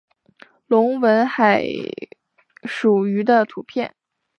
隆吻海蠋鱼的图片